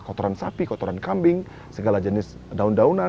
kotoran sapi kotoran kambing segala jenis daun daunan